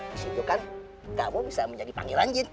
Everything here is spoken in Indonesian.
di situ kan kamu bisa menjadi panggilan jin